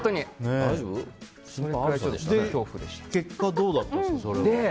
結果、どうだったんですか？